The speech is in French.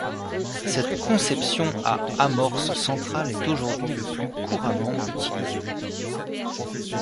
Cette conception à amorce centrale est aujourd'hui le plus couramment utilisé.